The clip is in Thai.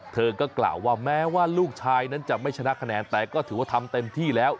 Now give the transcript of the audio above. เธอก็กล่าวว่าแม้ว่าลูกชายนั้นจะไม่ชนะคะแนนแต่ก็ถือว่าทำเต็มที่แล้ว